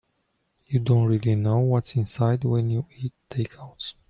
You don't really know what's inside when you eat takeouts.